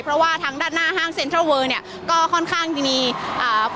เพราะว่าทางด้านหน้าห้างเซ็นทรัลเวอร์เนี้ยก็ค่อนข้างจะมีอ่า